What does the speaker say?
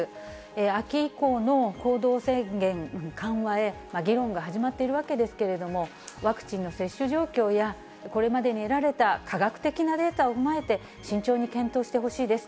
秋以降の行動制限緩和へ、議論が始まっているわけですけれども、ワクチンの接種状況や、これまでに得られた科学的なデータを踏まえて、慎重に検討してほしいです。